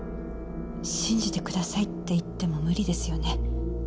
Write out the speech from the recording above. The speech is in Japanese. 信じてくださいって言っても無理ですよね？